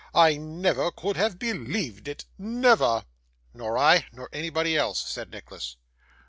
I never could have believed it never.' 'Nor I, nor anybody else,' said Nicholas.